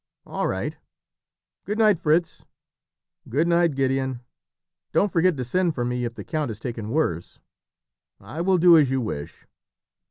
"All right. Good night, Fritz." "Good night, Gideon. Don't forget to send for me if the count is taken worse." "I will do as you wish.